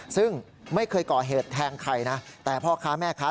ซึ่งไม่เคยก่อเหตุแทงใครนะแต่พ่อค้าแม่ค้า